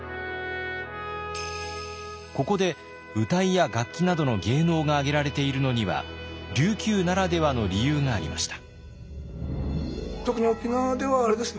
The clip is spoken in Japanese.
ここで謡や楽器などの芸能が挙げられているのには琉球ならではの理由がありました。